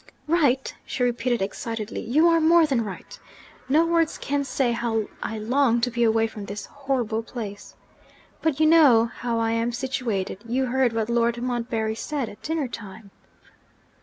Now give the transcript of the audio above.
'Right?' she repeated excitedly. 'You are more than right! No words can say how I long to be away from this horrible place. But you know how I am situated you heard what Lord Montbarry said at dinner time?'